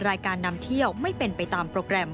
นำเที่ยวไม่เป็นไปตามโปรแกรม